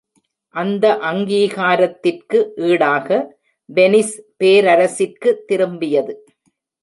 அந்த அங்கீகாரத்திற்கு ஈடாக, வெனிஸ் பேரரசிற்கு திரும்பியது.